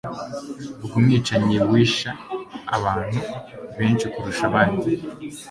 Vuga Umwicanyi wisha abantu benshi kurusha abandi?